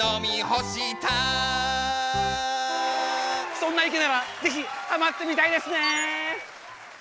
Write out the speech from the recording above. そんないけならぜひはまってみたいですね！